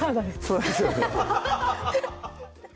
そうですよね